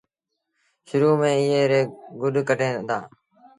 شرو ميݩ ايئي ريٚ گُڏ ڪڍين دآ۔